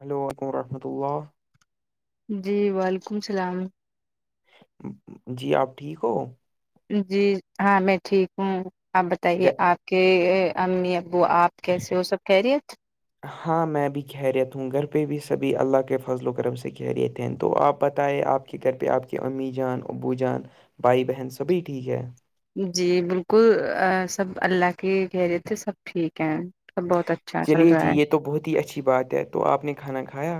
hello ولیکم رحمۃ اللہ جی وعلیکم السلام جی آپ ٹھیک ہو جی ہاں میں ٹھیک ہوں آپ بتائیے گ- آپ کہ امی ابو آپ کیسے وہ سب کہہ رہی ہے ہاں میں بھی کہہ رہیت ہوں گھر پہ بھی سبھی اللہ کے فضل و کرم سے کہہ رہت ہیں تو آپ بتائے آپ کے گھر پہ آپ کے امی جان ابو جان بھائی بہن سبھی ٹھیک ہے جی بالکل سب اللہ کی کہہریےت تھے سب ٹھیک ہیں سب بہت اچھا چل چلیے رہا جی ہے یہ تو بہت ہی اچھی بات ہے تو آپ نے کھانا کھایا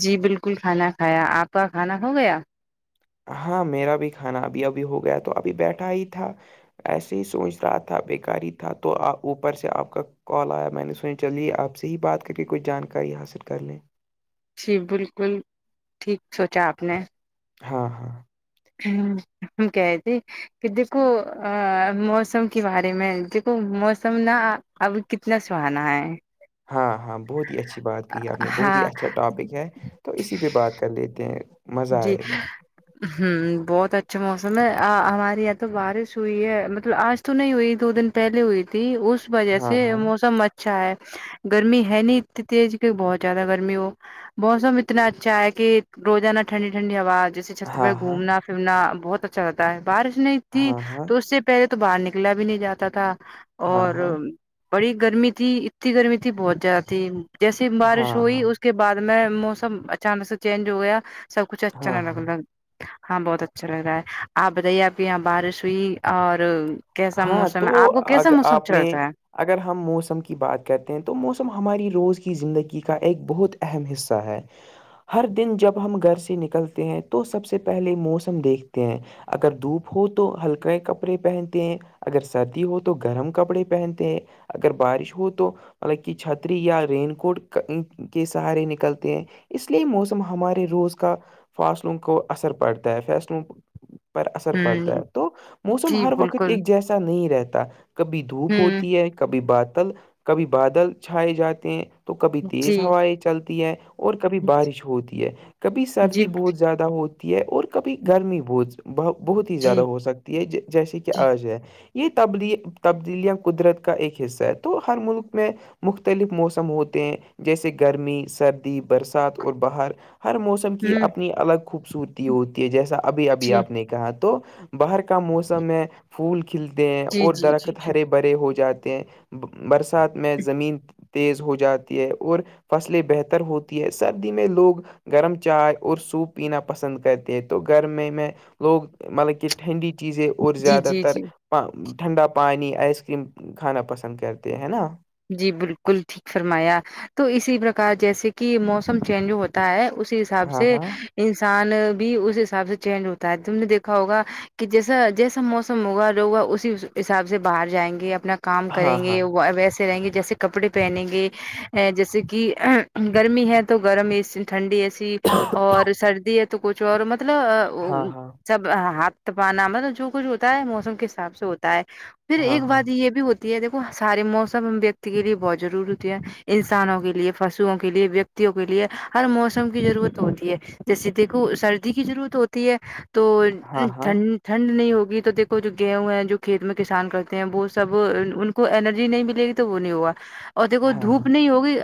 جی بالکل کھانا کھایا آپ کا کھانا کھو گیا ہاں میرا بھی کھانا ابھی ابھی ہو گیا تو ابھی بیٹھا ہی تھا ایسے ہی سوچ رہا تھا بےیکاری تھا تو آپ اوپر سے آپ کا کال آیا میں نے سنی چلیے آپ سے ہی بات کر کے کوچھ جانکاری حاصل کر لیں جی بالکل ٹھیک سوچا آپ نے ہاں ہاں ہ ہمک آتی کہ دیکھو ا موسم کے بارے میں دیکھو موسم نہ اب کتنا سہانا ہے ہاں ہاں بہت ہی اچھی بات کہ ہے آپ نے بہت ہی ہاں اچھا ٹاپک ہے تو اسی پہ بات کر لیتے ہیں مزہ جی آئے گا ہوں بہت اچھا موسم ہے ہمارے یہاں تو بارش ہوئی ہے مطلب آج تو نہیں ہوئی دو دن پہلے ہوئی تھی اس وجہ سے ہاں ہاں موسم اچھا ہے گرمی ہے نہیں اتنی تز کہ بہت زیادہ گرمی وہ موسم اتنا اچھا ہے کہ روزانہ ٹھنڈی ٹھنڈی ہوا جیسے چھت پہ ہاں گھومنا پھرنا بہت اچھا لگتا ہے بارش نہیں تھی ہاں ہاں تو اس سے پہلے تو باہر نکلا بھی نہیں جاتا تھا ہاں اور ہاں بڑی گرمی تھی اتنی گرمی تھی بہت زیادہ تھی جیسے ہاں بارش ہاں ہوئی ہاں اس اس کے بعد میں موسم اچانک سے چینج ہو گیا سب کچھ اچھا ہاں نہیں لگ ہاں ل ہاں بہت اچھا لگ رہا ہے آپ بتائیے آپ کے یہاں بارش ہوئی اور کیسا ہاں موسم تو ہے آپ کو کیسا اگر موسم آپ نے چلتا ہے اگر ہم موسم کی بات کرتے ہیں تو موسم ہماری روز کی زندگی کا ایک بہت اہم حصہ ہے ہر دن جب ہم گھر سے نکلتے ہیں تو سب سے پہلے موسم دیکھتے ہیں اگر دھوپ ہو تو ہلک کپڑے پہنتے ہیں اگر سردی ہو تو گرم کپڑے پہنتے ہیں اگر بارش ہو تو مطب کی چھتری یا رین کوٹ کے سہارے نکلتے ہیں اس لیے موسم ہمارے روز کا فاصلوں کو اثر پڑتا ہے فاصلوں پر اثر پڑتا ہوں ہے تو موسم جی ہر وقت بالکل ایک جیسا نہیں رہتا کبھی دھوپ ہوں ہوتی ہے کبھی باتل کبھی بادل چھائے جاتے ہیں تو کبھی جی تیز ہوائیں چلتی ہے اور کبھی بارش ہوتی ہے کبھی جی سردی بہت زیادہ ہوتی ہے اور کبھی گرمی بہت بہت ہی زیادہ جی ہو سکتی ہے جیسے کہ جی آج ہے یہ تب تبدیلیاں قدرت کا ایک حصہ ہے تو ہر ملک میں مختلف موسم ہوتے ہیں جیسے گرمی سردی برسات اور باہر ہر موسم کی ہوں اپنی الگ خوبصورتی ہوتی ہے جیسا ابھی ابھی جی آپ نے کہا تو باہر کا موسم ہے پھول کھلتے ہیں جی اور جی جی درخت جی ہرے برے ہو جاتے ہیں برسات میں زمین تیز ہو جاتی ہے اور فصلیں بہتر ہوتی ہے سردی میں لوگ گرم چائے اور سوپ پینا پسند کرتے ہیں تو گرمی میں لوگ مطلب کہ ٹھنڈی چیزے اور جی زیادہ جی تر جی ٹھنڈا پانی آئس کریم کھانا پسند کرتے ہیں ہے نا جی بالکل ٹھیک فرمایا تو اسی پرکار جیسے کہ موسم چینج ہوتا ہے اسی حساب ہاں سے ہاں انسان بھی اس حساب سے چینج ہوتا ہے تم نے دیکھا ہوگا کہ جیسا جیسا موسم ہوگا لوگا اسی حساب سے باہر جائیں گے اپنا کام ہاں کریں گے ویسے رہیں گے جیسے کپڑے پہنیں گے جیسے کہ گرمی ہے تو گرم اس ٹھنڈی ایس اور سردی ہے تو کچھ اور مطلب ہاں ہاں سب ہاتھ پانا مطلب جو کچھ ہوتا ہے موسم کے حساب سے ہوتا ہے پھر ہاں ایک بات یہ بھی ہوتی یہ دیکھو سارے موسم سب ویکتی کے لیے بہت ضروری ہوتی ہے انسانوں کے لیے پشووں کے لیے ویکتیوں کے لیے ہر موسم کی ضرورت ہوتی ہے جیسے دیکھو سردی کی ضرورت ہوتی ہے تو ہاں ہاں ہاں ٹھنڈ ٹنڈ نہیں ہوگی تو دیکھو جو گیہوں ہے جو کھیت میں کسان کرتے ہیں وہ سب ان کو اینرجی نہیں مل لے گی تو وہ نہیں ہوگا اور دیکھو ہاں ہاں دھوپ نہیں ہوگی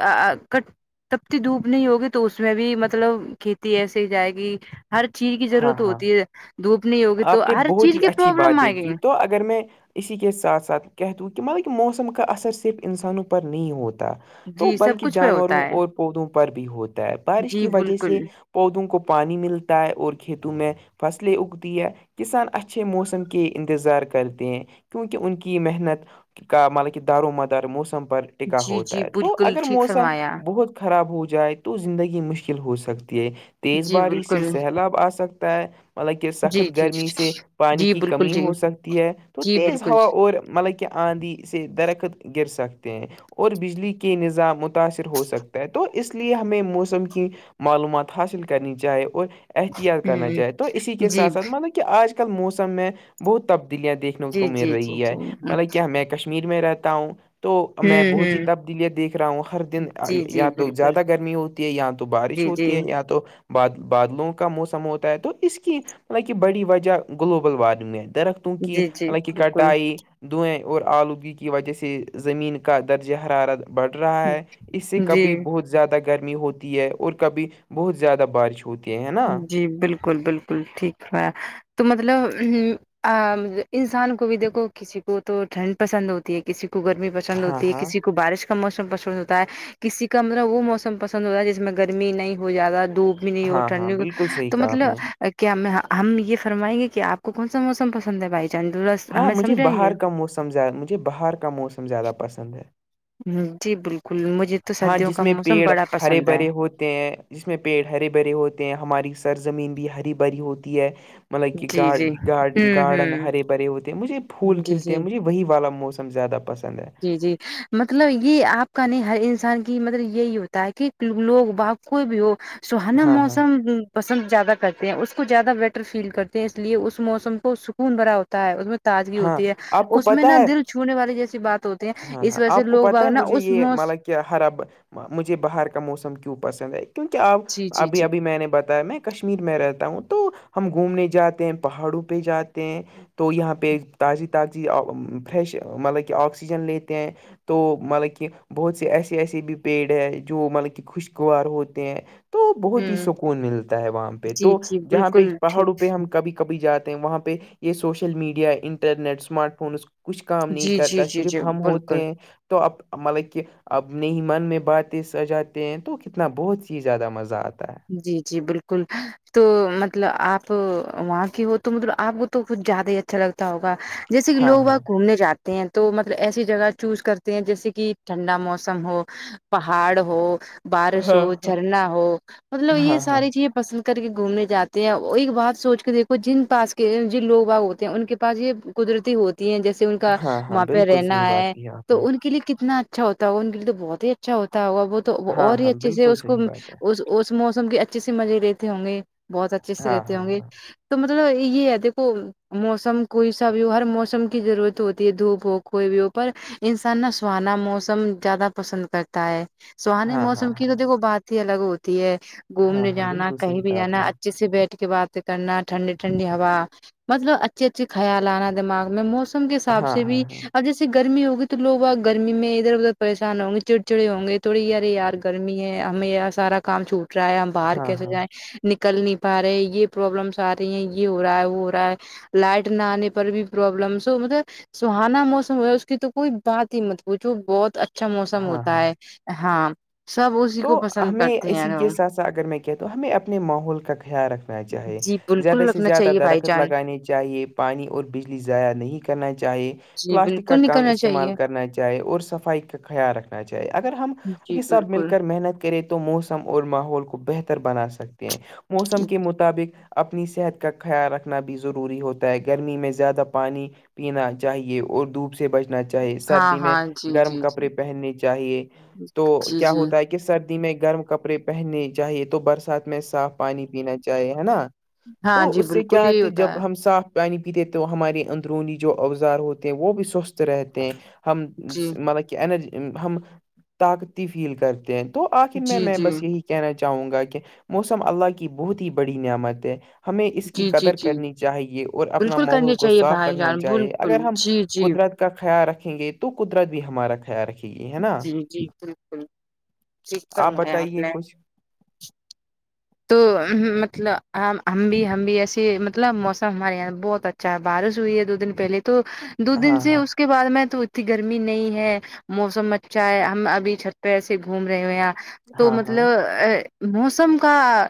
تبتی دھوپ نہیں ہوگی تو اس میں بھی مطلب کھیتی ایسے ہی جائے گی ہر چیز کی ہاں ضرورت ہاں ہوتی ہے دھوپ نہیں ہوگی تو آپ نے ہر بہت چیز ہی کے اچھی پروابلم باتیں آئے کی گئے اگر میں اسی کے ساتھ ساتھ کہتے ہ کہ مطلب کہ موسم کا اثر صرف انسانوں پر نہیں ہوتا تو جی سب بلکہ کچھ پہ ہوتا جانوروں ہے اور پودوں پر بھی ہوتا ہے بارش جی کی وجہ بالکل سے پودوں کو پانی ملتا ہے اور کھیتوں میں فصلیں اگ ہے کسان اچھے موسم کے انتظار کرتے ہیں کیونکہ ان کی محنت کا مطلب کہ دار و مدار موسم پر ٹکا جی ہوتا جی ہے تو بالکل اگر ٹھیک موسم فرمایا بہت خراب ہو جائے تو زندگی مشکل ہو سکتی ہے تیز جی باریش سے بالکل سیلاب آ سکتا ہے مطلب کہ جی جی گرمی سے پانی جی کی بالکل کمی جی ہو سکتی ہے تو جی تیز بالکل ہوا اور مطلب کہ آندھی سے درخت گر سکتے ہیں اور بجلی کے نظام متاثر ہو سکتا ہے تو اس لیے ہمیں موسم کی معلومات حاصل کرنی چاہے اور احتیاط کرنا ہ چاہے تو اسی کے جی ساتھ ساتھ مطلب کہ آج کل موسم میں بہت تبدیلیاں دیکھنے کو جی جی مل جی رہی جی ہے ہوں مطلب کیا میں کش کشمیر میں رہتا ہوں تو میں بہت ہ سی تبدیلیاں دیکھ رہا ہوں ہر دن جی جی یا تو بالکل زیادہ گرمی ہوتی ہے یا تو بارش جی جی ہوتی ہوتی ہے یا تو بادلوں کا موسم ہوتا ہے تو اس کی مطلب کہ بڑی وجہ گلوبل وارمنگ ہے درخت کی جی جی مطلب کی بالکل کٹائی دائیں اور آلودگی کی وجہ سے زمین کا درجہ حرارت بڑھ رہا ہے اس سے جی کبھی بہت زیادہ گرمی ہوتی ہے اور کبھی بہت زیادہ بارش ہوتی ہے ہے نا جی بالکل بالکل ٹھیک ہے تو مطلب انسان کو بھی دیکھو کسی کو تو ٹھنڈ پسند ہوتی ہے کسی کو گرمی پسند چند ہاں ہوتی ہے ہاں کسی کو بارش موسم پسند ہوتا ہے کسی کا مطب وہ موسم پسند ہوتا ہے جس میں گرمی نہیں ہو جاتا دھوپ بھی نہیں ہاں ٹھڈ ہاں بالکل صحیح تو کہا آپ نے مطلب کیا ہم ہم یہ فرمائیں گے کہ آپ کو کون سا موسم پسند ہے بھائی جان تھوڑا ہاں ہمیں مجھے سمجھائیں گے باہر کا موسم مجھے باہر کا موسم زیادہ پسند ہے جی بالکل مجھے تو ہاں سردیوں جس کا میں موسم پیڑ بڑا ہرے پسند ہے بھرے ہوتے ہیں جس میں پیڑ ہرے بھرے ہوتے ہیں ہماری سرزمین بھی ہری بھری ہوتی ہے مطلب کہ جی گار جی ہوں گارڈن ہوں ہرے بھرے ہوتے ہیں مجھے پھول جی کھلتے جی ہیں مجھے وہی والا موسم زیادہ پسند ہے جی جی مطلب یہ آپ کا نہیں ہر انسان کی مطلب یہی ہوتا ہے کہ لوگ وا کوئی بھی ہو سہانا ہاں ہاں موسم پسند زیادہ کرتے ہیں اس کو زیادہ بیٹر فیل کرتے ہیں اس لیے اس موسم کو سکون بھرا ہوتا ہے اس میں تازگی ہاں ہوتی ہے آپ کو اس میں پتہ نہا ہے دل چھونے والی جیسی بات ہوتی ہے ہاں اس ہاں وجہ سے آپ کو لوگ پتہ باگ ہے نا مجھے اس یہ موس ملا کہ ہر اب مجھے باہر کا موسم کیوں پسند ہے کیونکہ اب جی جی ابھی جی ابھی میں نے بتایا میں کشمیر میں رہتا ہوں تو ہم گھومنے جاتے ہیں پہاڑوں پہ جاتے ہیں تو یہاں پہ تازی تازی فریش مطلب کہ آکسیجن لیتے ہیں تو مطلب کہ بہت سے ایسے ایسے بھی پیڑ ہے جو مطلب کہ خوشگوار ہوتے ہیں تو بہت ہی ہوں سکون ملتا ہے وہاں پہ جی تو جی جہاں پہ بالکل پہاڑوں ٹھیک پہ ہم کبھی کبھی جاتے ہیں وہاں پہ یہ social media internet smart phone اس کچھ کام نہیں جی جی کرتا جی جی صرف ہم ہوتے بالکل ہیں تو اب مطلب کہ اپنے ہی من میں باتیں سجاتے ہیں تو کتنا بہت ہیی زیادہ مزہ آتا ہے جی جی بالکل تو مطلب آپ وہاں کی ہو تو مطلب آپ کو تو ک زیادہ ہی اچھا لگتا ہوگا جیسے کہ ہاں لوگ وہ ہاں گھومنے جات ہیں ہیں تو مطلب ایسی جگہ چوز کرتے ہیں جیسے کہ ٹھنڈا موسم ہو پہاڑ ہو بارش ہاں ہو جھرنا ہو مطلب یہ ہاں ہاں ہاں ساری چیز پسند کر کے گھومنے جاتے ہیں اور ایک بات سوچ کے دیکھو جن پاس کے جن لوگ باگ ہوتے ہیں ان کے پاس یہ قدرتی ہوتی ہیں جیسے ان کا ہاں ہاں وہاں پہ بالکل صحیح رہنا بات ہے کی آپ نے تو ان کے لیے کتنا اچھا ہوتا ہو ان کے لیے تو بہت ہی اچھا ہوتا ہوا وہ تو ہاں اور ہی ہاں اچھے سے بالکل اس کو صحیح بات ہے اس موسم کے اچھے سے مزے رہتے ہوں گے بہت اچھے سے ہاں رہتے ہاں ہوں گے تو مطلب یہ ہے دیکھو موسم کوئی سا بھی ہو ہر موسم کی ضرورت ہوتی ہے دھوپ ہو کوئی بھی ہو پر انسان نہ سہانا موسم زیادہ پسند کرتا ہے سہانے ہاں ہاں ہاں موسم کی تو ہاں دیکھو بات ہی الگ ہوتی ہے ہاں گھومنے ہاں جانا بالکل کہیں صحیح بھی کہا آپ جانا نے اچھے سے بیٹھ کے بات کرنا ٹھنڈی ٹھنڈی ہوا مطلب اچھے اچھے خیال آنا دماغ میں موسم کے حساب ہاں سے ہاں بھی ہاں اورب جیس گرمی ہوگی تو لوگ گرمی میں ادھر ادھر پریشان ہوں گے چڑ چڑے ہوں گے تھوڑیارے یار گرمی ہے ہمیں یہ سارا کام چھوٹ رہا ہے ہم باہر ہاں کیسے ہاں جائیں نکل نہیں پا رہے یہ پرابلمس آ رہی ہیں یہ ہو رہا ہے وہ ہو رہا ہے لائٹ نہ آنے پر بھی پروبلمس ہو مطلب سہانا موسم ہو اس کی تو کوئی بات ہی مت بوھ وہ بہت اچھا اچھا موسم ہاں ہوتا ہاں ہے ہاں سب اسی تو کو پسند ہمیں کرتا اسی کے ساتھ ساتھ اگر میں کہ ہوں ہمیں اپنے ماحول کا خیال رکھنا چاہیے جی زیادہ بالکل سے رکھنا زیادہ چاہیے بھائی درخت جان لگانے چاہیے پانی اور بجلی ضائع نہیں کرنا چاہیے جی پلاسٹک کا بالکل کام نکلنا استعمال چاہیے کرنا چاہے اور صفائی کا خیال رکھنا چاہے اگر ہم جی یہ سب مل کے بالکل محنت کریں تو موسم اور ماحول کو بہتر بنا سکتے ہیں موسم کے مطابق اپنی صحت کا خیال رکھنا بھی ضروری ہوتا ہے گرمی میں زیادہ پانی پینا چاہیے اور دپ سے بچنا چاہیے ہاں سردی میں ہاں جی گرم جی جی کپڑے پہننے چاہیے تو جی کیا ہوتا جی ہے کہ سردی میں گرم کپڑے پہننے چاہیے تو برسات میں صاف پانی پینا چاہیے نا ہاں تو جی اس سے بالکل کیا یہی ہےتے ہوتا جب ہے ہم صاف پانی پیتے تو ہمارے اندرونی جو اوزار ہوتے ہیں وہ بھی سوستھ رہتے ہیں ہم جی مطلب کہ انرجی ہم طاقتی فیل کرتے ہیں تو آخر میں جی میں جی بس یہی کہنا چاہوں گا کہ موسم اللہ کی بہت ہی بڑی نعمت ہے ہمیں اس کی جی جی قدر جی کرنی چاہیے اور اپنا بالکل ماحول کرنی کو چاہیے صاف بھائی رکھنا جان چاہیے بالکل اگر ہم جی جی قدرت کا خیال رکھیں گے تو قدرت بھی ہمارا خیال رکھے گ جی جی بالکل ی کرمایا آپ بتائیے نے کچھ تو مطلب ہم بھی ہم بھی ایسے مطلب موسم ہمارے یہاں بہت اچھا چاہے بارش ہوئی ہے دو دن پہلے تو دو دن ہاں سے اس کے بعد میں تو اتنی گرمی نہیں ہے موسم اچھا ہے ہم ابھی چھت پہ سے گھوم رہے ہوئے ہیںاں تو ہاں ہاں مطلب ا موسم کا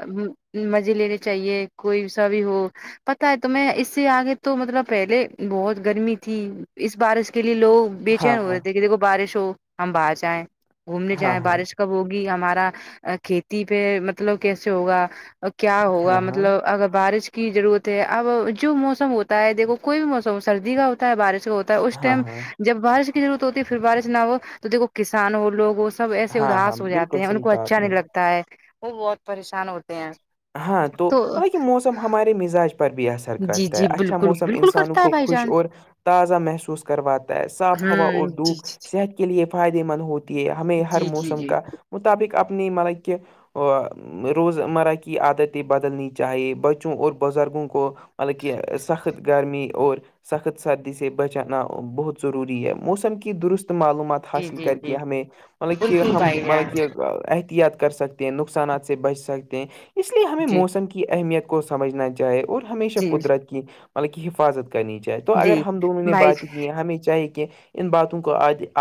مزے لینے چاہیے کوئی سا بھی ہو پتا ہے تو میں اس سے آگے تو مطلب پہلے بہت گرمی تھی اس بارش کے لیے لوگ بے ہاں چین ہو رہے ہاں تھے کہ دیکھو بارش ہو ہم باہر جائیں گھومنے ہاں ہاں جائیں بارش کب ہوگی ہمارا کھیتی پہ مطلب کیسے ہوگا کیا ہوگا ہاں ہاں ہاں مطلب اگر بارش کی ضرورت ہے اب جو موسم ہوتا ہے دیکھو کوئی بھی موسم سردی کا ہوتا ہے بارش کا ہوتا اس ہاں ٹائم ہاں جب بارش کی ضرورت ہوتی ہے پھر بارش نہ ہو تو دیکو کسان ہو لوگ ہو سب ایسے ہاں ہاں اداس ہو جاتے بالکل ہیں ان صحیح کو کہا اچھا آپ نے نہیں لگتا ہے وہ بہت پریشان ہوتے ہیں ہاں تو مطلب کہ موسم ہمارے مزاج پر بھی ایسا جی کرتا ہے جی اچھا بالکل موسم بالکل انسانوں کرتا ہے کو بھائی خوش جان اور تازہ محسوس کرواتا ہے صاف ہوا اور ہوں جی دکھ جی صحت کے لیے فائدے مند ہوتی ہے ہمیں ہر جی جی موسم جی کا مطابق اپنی مطلب کہ روزمرہ کی کی عادتیں بدلنی چاہیے بچوں اور بزرگوں کو حالکہ سخت گرمی اور سخت سردی سے بچانا بہت ضروری ہے موسم کی درست معلومات جی حاصل جی کر کے جی جی ہمیں مطلب کہ بالکل ہم بھائی مطلب جان کہ احتیاط کر سکتے نقصانات سے بچ سکتے ہیں اس لیے ہمیں جی موسم کی اہمیت کو س سمجھنا چاہے اور ہمیشہ جی قدرت کی مطلب کہ حفاظت کرنی چاہیے تو جی اگر ہم دونوں نے بھائی بات کی ہمیں چاہی کہ ان باتوں کو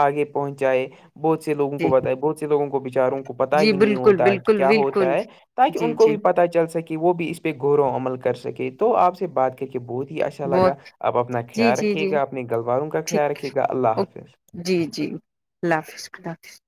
آگے پہنچ جائے بہت سے لوگوں کو جی بتا ہے بہت سے لوگوں کو بچاروں کو پتا جی ہی نہیں بالکل ہوتا ہے کہ بالکل کیا ہوتا بالکل ہے تاکہ ان جی کو جی بھی پتا چل سکے وہ بھی اس پہ گغورو عمل کر سکے تو آپ سے بات کہ بہت ہی اچھا لگا بہت آپ اپنا جی خیال جی رکھے جی گا اپنے گلواروں کا ٹھیک خیال رکھھیے گا اللہ اوک- حافظ جی جی اللہ حافظ اللہ حافظ